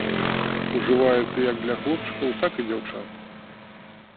Ужываецца як для хлопчыкаў, так і дзяўчат.